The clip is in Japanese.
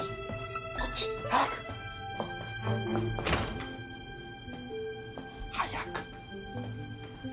こっち！早く！早く！